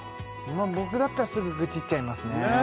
まあ僕だったらすぐ愚痴っちゃいますね